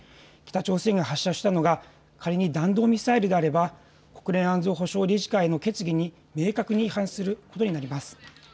北朝鮮が発射したのが仮に弾道ミサイルであれば国連安全保障理事会の決議に明確に違反することになります。